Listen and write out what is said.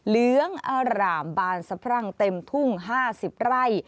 เหลืองอร่ามบานสะพรั่งเต็มทุ่ง๕๐ไร่